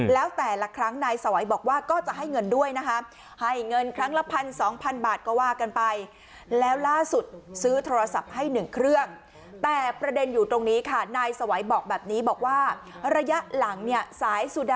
แล้วแต่ละครั้งไนสไวท์บอกว่าก็จะให้เงินด้วยนะครับให้เงินครั้งละ๑๐๐๐๒๐๐๐